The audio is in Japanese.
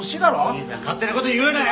兄さん勝手な事言うなよ！